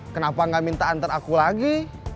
kenapa gak minta antar aku lagi